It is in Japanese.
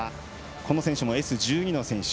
この選手もＳ１２の選手。